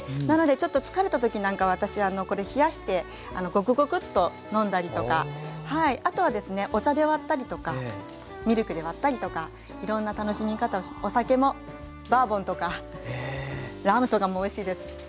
なのでちょっと疲れた時なんか私あのこれ冷やしてごくごくっと飲んだりとかあとはですねお茶で割ったりとかミルクで割ったりとかいろんな楽しみ方をお酒もバーボンとかラムとかもおいしいです。